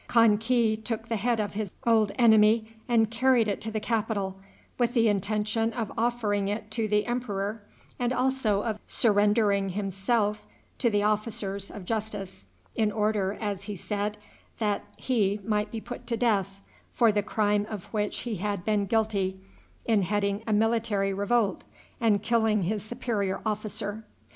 Kan ki took the head of his old enemy and carried it to the capital, with the intention of offering it to the emperor, and also of surrendering himself to the officers of justice, in order, as he said, that he might be put to death for the crime of which he had been guilty in heading a military revolt and killing his superior officer.